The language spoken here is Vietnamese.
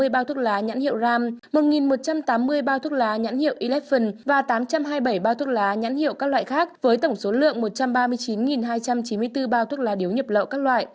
hai mươi bao thuốc lá nhãn hiệu ram một một trăm tám mươi bao thuốc lá nhãn hiệu elephen và tám trăm hai mươi bảy bao thuốc lá nhãn hiệu các loại khác với tổng số lượng một trăm ba mươi chín hai trăm chín mươi bốn bao thuốc lá điếu nhập lậu các loại